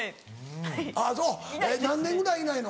あぁそう何年ぐらいいないの？